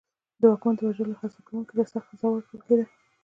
د واکمن د وژلو هڅه کوونکي ته سخته سزا ورکول کېده.